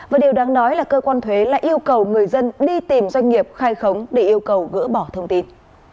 và điều đáng nói là cơ quan thuế lại yêu cầu người dân đi tìm doanh nghiệp khai khống để yêu cầu gỡ bỏ thông tin